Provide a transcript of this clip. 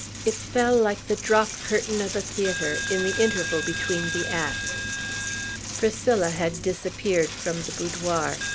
It fell like the drop curtain of a theatre, in the interval between the acts. Priscilla had disappeared from the boudoir.